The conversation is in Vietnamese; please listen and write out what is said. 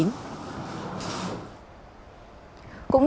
tại khu chung cư